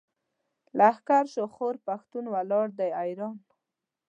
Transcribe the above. لښکر شو خپور پښتون ولاړ دی اریان.